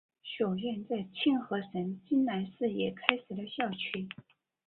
学院在庆和省金兰市也开设了校区。